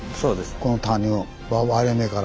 この谷割れ目から。